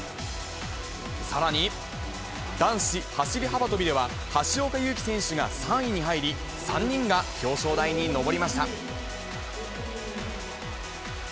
さらに、男子走り幅跳びでは、橋岡優輝選手が３位に入り、３人が表彰台に上りました。